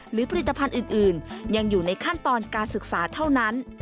หรือผลิตภัณฑ์อื่นยังอยู่ในขั้นตอนการศึกษาเท่านั้น